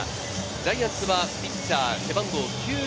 ジャイアンツはピッチャー背番号９７番。